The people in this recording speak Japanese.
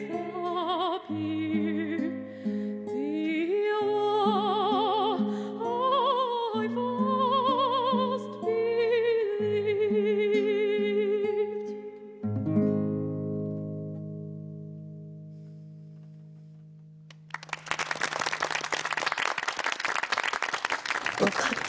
よかった。